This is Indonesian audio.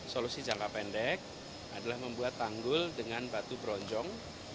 solusi jangka pendek adalah membuat tanggul dengan batu bronjong